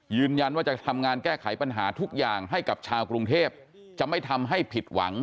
ยืนยันว่าจะทำงานแก้ไขปัญหาทุกอย่างให้กับชาวกรุงเทพจะไม่ทำให้ผิดหวัง